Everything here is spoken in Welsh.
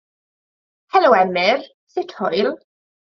Helo Emyr, sut hwyl?